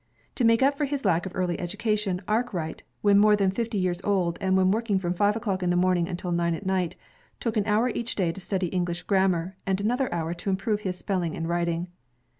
To make up for his lack of early edu cation, Arkwright, when more than fifty years old and when working from five o'clock in the morning until nine at night, took an hour each day to study English gram mar, and another hour to improve his spelling and writing.